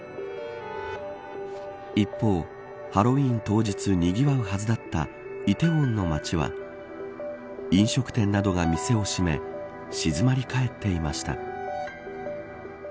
一方、ハロウィーン当日にぎわうはずだった梨泰院の街は飲食店などが店を閉め静まり返っていました。